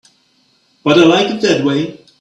But I like it that way.